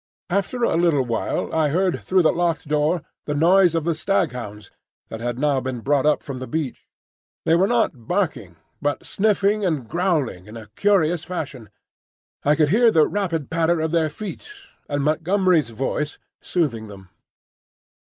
After a little while I heard through the locked door the noise of the staghounds, that had now been brought up from the beach. They were not barking, but sniffing and growling in a curious fashion. I could hear the rapid patter of their feet, and Montgomery's voice soothing them.